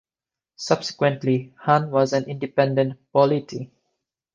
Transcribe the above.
Subsequently, Han was an independent polity.